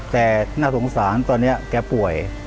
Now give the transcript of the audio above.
แต่น่าสงสารตอนนี้แกป่วย